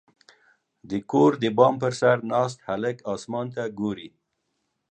• د کور د بام پر سر ناست هلک اسمان ته ګوري.